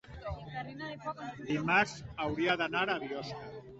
dimarts hauria d'anar a Biosca.